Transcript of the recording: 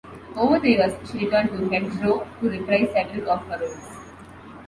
Over the years she returned to Hedgerow to reprise several of her roles.